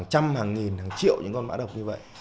trăm hàng nghìn hàng triệu những con mã độc như vậy